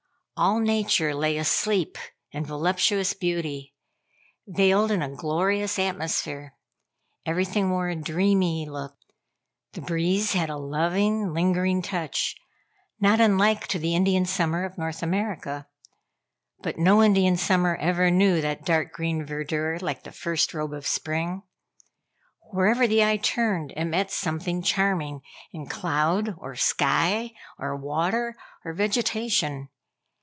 All nature lay asleep in voluptuous beauty, veiled in a glorious atmosphere. Everything wore a dreamy look. The breeze had a loving, lingering touch, not unlike to the Indian Summer of North America. But no Indian Summer ever knew that dark green verdure, like the first robe of spring. Wherever the eye turned it met something charming in cloud, or sky, or water, or vegetation.